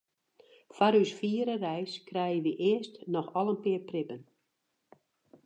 Foar ús fiere reis krije wy earst noch al in pear prippen.